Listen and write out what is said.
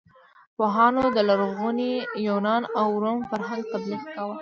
پوهانو د لرغوني یونان او روم فرهنګ تبلیغ کاوه.